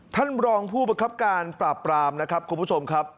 ท่านรองผู้ประคับการปราบปรามนะครับคุณผู้ชมครับ